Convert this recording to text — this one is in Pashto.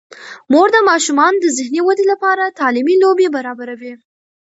مور د ماشومانو د ذهني ودې لپاره تعلیمي لوبې برابروي.